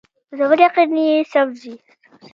د سفر یقین یې سوزي